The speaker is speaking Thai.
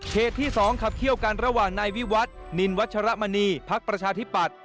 ที่๒ขับเคี่ยวกันระหว่างนายวิวัตนินวัชรมณีพักประชาธิปัตย